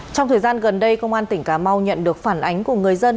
trong thời gian gần đây công an tỉnh cà mau nhận được phản ánh của người dân